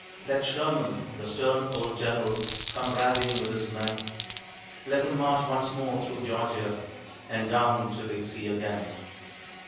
Let Sherman, the stern old General, Come rallying with his men; Let them march once more through Georgia And down to the sea again.